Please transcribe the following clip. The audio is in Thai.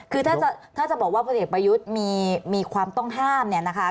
คือถ้าจะบอกว่าผู้เด็กประยุทธ์มีความต้องห้ามนะคะ